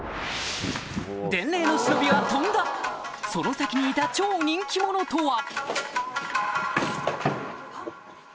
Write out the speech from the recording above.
伝令の忍びは飛んだその先にいた超人気者とは？